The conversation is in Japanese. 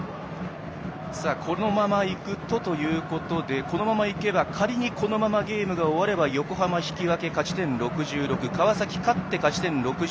このままいくとということで仮に、このままゲームが終われば横浜引き分け、勝ち点６６川崎勝って勝ち点６６。